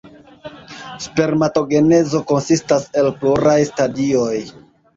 Spermatogenezo konsistas el pluraj stadioj.